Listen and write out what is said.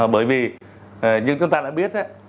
bởi vì như chúng ta đã biết